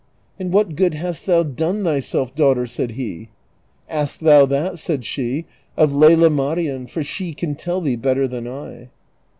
" And what good hast thou done thyself, daughter ?" said he. " Ask thou that," said she, *' of Lela Marien, for she can tell thee better than I."